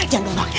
jangan dong dong